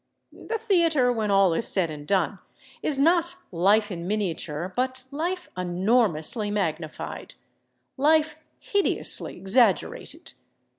The theater, when all is said and done, is not life in miniature, but life enormously magnified, life hideously exaggerated.